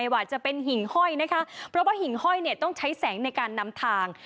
ว่าจะเป็นหิ่งห้อยนะคะเพราะว่าหิ่งห้อยเนี่ยต้องใช้แสงในการนำทาง